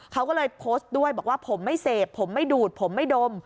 เขาก็เลยโพสต์ด้วยบอกว่าผมไม่เสพผมไม่ดูดผมไม่ดม